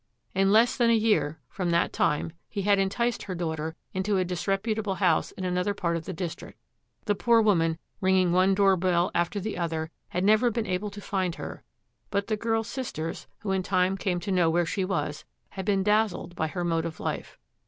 In less than a year from that time he had enticed her daughter into a disreputable house in another part of the district. The poor woman, ringing one doorbell after another, had never been able to find her; but the girl's sisters, who in time came to know where she was, had been dazzled by her mode of life.